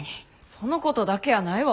そのことだけやないわ。